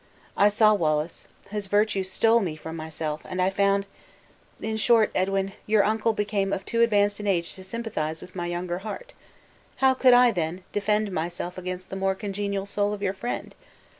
I saw Wallace; his virtues stole me from myself, and I found In short, Edwin, your uncle became of too advanced an age to sympathize with my younger heart. How could I, then, defend myself against the more congenial soul of your friend?